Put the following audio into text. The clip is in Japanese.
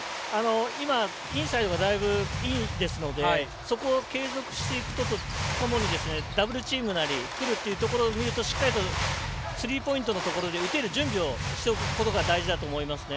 インサイドがだいぶいいですのでそこを継続していくとともにダブルチームなり、くるというとしっかりとスリーポイントのところで打てる準備をしておくことが大事だと思いますね。